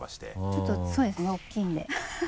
ちょっとそうですね大きいので。